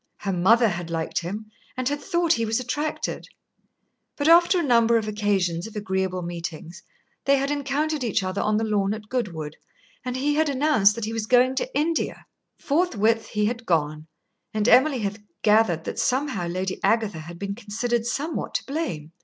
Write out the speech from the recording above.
Her mother had liked him and had thought he was attracted. But after a number of occasions of agreeable meetings, they had encountered each other on the lawn at Goodwood, and he had announced that he was going to India. Forthwith he had gone, and Emily had gathered that somehow Lady Agatha had been considered somewhat to blame.